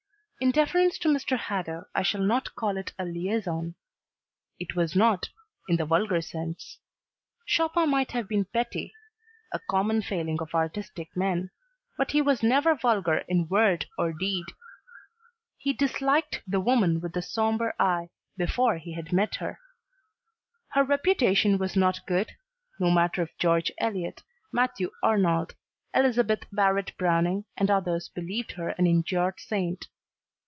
In deference to Mr. Hadow I shall not call it a liaison. It was not, in the vulgar sense. Chopin might have been petty a common failing of artistic men but he was never vulgar in word or deed. He disliked "the woman with the sombre eye" before he had met her. Her reputation was not good, no matter if George Eliot, Matthew Arnold, Elizabeth Barrett Browning and others believed her an injured saint.